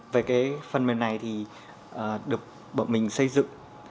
về cái phần mềm này thì được bọn mình xây dựng